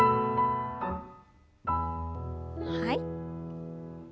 はい。